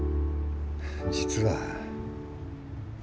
実は。